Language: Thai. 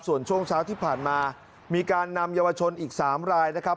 ส่วนช่วงเช้าที่ผ่านมามีการนำเยาวชนอีก๓รายนะครับ